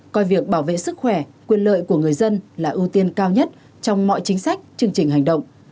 coi việc bảo vệ sức khỏe quyền lợi của người dân là ưu tiên cao nhất trong mọi chính sách chương trình hành động